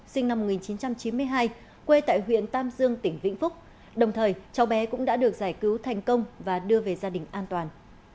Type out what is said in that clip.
sinh năm một nghìn chín trăm chín mươi hai quê tại huyện tam dương tỉnh vĩnh phúc đồng thời cháu bé cũng đã được giải cứu thành công và đưa về gia đình an toàn